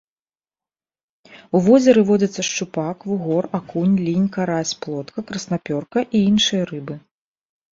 У возеры водзяцца шчупак, вугор, акунь, лінь, карась, плотка, краснапёрка і іншыя рыбы.